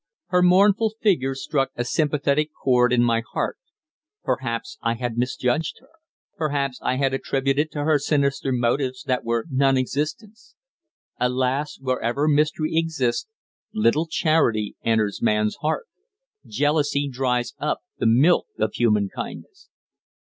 Her mournful figure struck a sympathetic chord in my heart. Perhaps I had misjudged her; perhaps I had attributed to her sinister motives that were non existent. Alas! wherever mystery exists, little charity enters man's heart. Jealousy dries up the milk of human kindness.